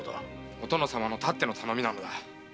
お殿様のたっての頼みなのだ。